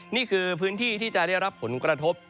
นี่คือพื้นที่ที่จะได้รับผลกระทบ